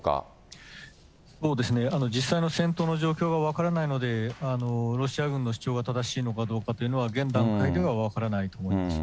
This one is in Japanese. そうですね、実際の戦闘の状況が分からないので、ロシア軍の主張が正しいのかどうかというのは、現段階では分からないと思います。